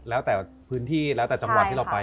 แล้วแต่พื้นที่แล้วแต่จังหวัดที่เราไป